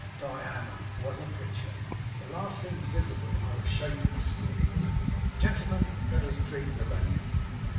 Diana, what a picture! The last things visible are a shape and a skip. 'Gentlemen, let us drink the ladies!